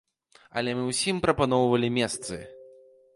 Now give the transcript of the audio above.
Але мы ўсім прапаноўвалі месцы.